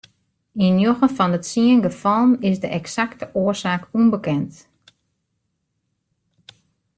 Yn njoggen fan de tsien gefallen is de eksakte oarsaak ûnbekend.